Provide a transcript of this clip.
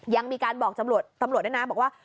ยังมีการบอกตำรวจด้วยนะบอกว่า